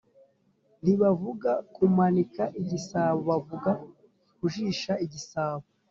Ntibavuga kumanika igisabo bavuga kujisha igisabo